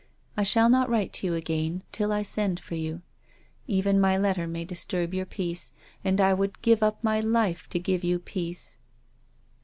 I shall not write to you again till I send for you. Even my letter may disturb your peace and I would give up my life to give you peace."